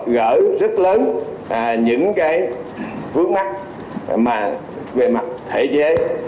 gỡ rất lớn những cái vướng mắt về mặt thể chế